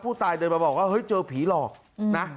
เดินมาบอกว่าเฮ้ยเจอผีหลอกนะ